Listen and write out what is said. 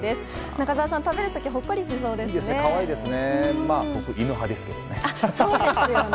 中澤さん、食べる時ほっこりしそうですね。